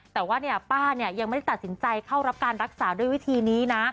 แต่ว่าป้ายังไม่ได้ตัดสินใจเข้ารับการรักษาด้วยวิธีนี้นะ